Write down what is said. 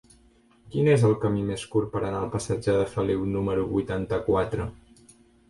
Quin és el camí més curt per anar al passatge de Feliu número vuitanta-quatre?